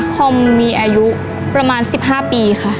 คอมพิวเตอร์มีอายุประมาณ๑๕ปีค่ะ